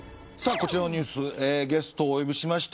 こちらのニュースゲストをお呼びしました。